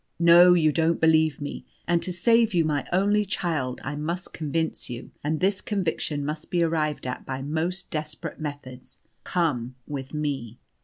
No, you don't believe me, and to save you, my only child, I must convince you, and this conviction must be arrived at by most desperate methods. Come with me."